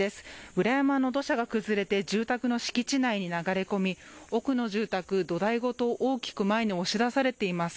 裏山の土砂が崩れて住宅の敷地内に流れ込み奥の住宅、土台ごと大きく前に押し出されています。